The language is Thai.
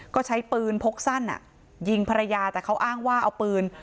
ก็ใช้ปืนพกสั้นยิงภรรยาแต่เขาอ้างว่าเอาปืน